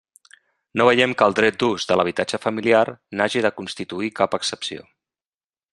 No veiem que el dret d'ús de l'habitatge familiar n'hagi de constituir cap excepció.